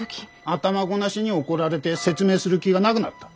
頭ごなしに怒られて説明する気がなくなった。